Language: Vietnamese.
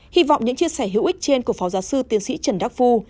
hy vọng những chia sẻ hữu ích trên của phó giáo sư tiến sĩ trần đắc phu